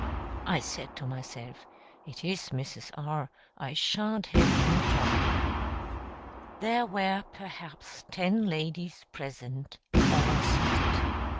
I said to myself: "It is Mrs. R.; I shan't have any trouble." There were perhaps ten ladies present, all seated.